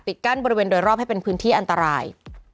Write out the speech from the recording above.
กั้นบริเวณโดยรอบให้เป็นพื้นที่อันตราย